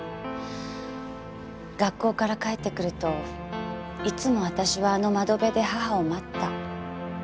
学校から帰ってくるといつも私はあの窓辺で母を待った。